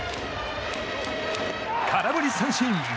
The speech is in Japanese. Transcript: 空振り三振！